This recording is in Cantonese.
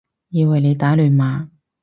以為你打亂碼